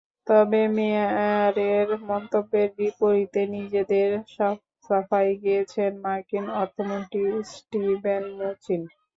তবে মেয়ারের মন্তব্যের বিপরীতে নিজেদের সাফাই গেয়েছেন মার্কিন অর্থমন্ত্রী স্টিভেন মুচিন।